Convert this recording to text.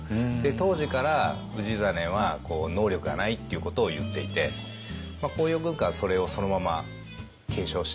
当時から氏真は能力がないっていうことを言っていて「甲陽軍鑑」はそれをそのまま継承して。